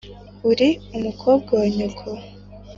uri umukozi wa nyoko.